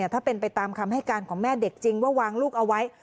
ถ้าเป็นไปตามคำให้การของแม่เด็กจริงว่าวางลูกเอาไว้